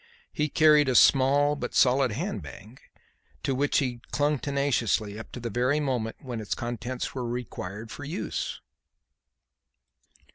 He carried a small but solid hand bag, to which he clung tenaciously up to the very moment when its contents were required for use.